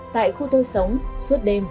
tại khu tôi sống suốt đêm